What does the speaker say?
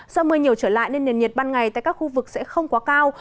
do mưa nhiều trở lại nên nền nhiệt ban ngày tại các khu vực sẽ không quá cao